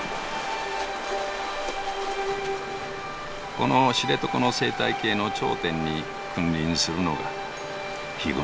この知床の生態系の頂点に君臨するのがヒグマだ。